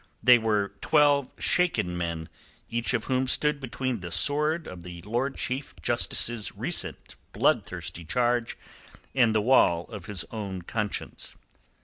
They were twelve shaken men, each of whom stood between the sword of the Lord Chief Justice's recent bloodthirsty charge and the wall of his own conscience.